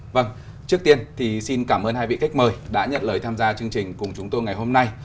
vâng trước tiên thì xin cảm ơn hai vị khách mời đã nhận lời tham gia chương trình cùng chúng tôi ngày hôm nay